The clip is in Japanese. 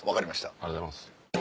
ありがとうございます。